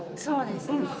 そうですね。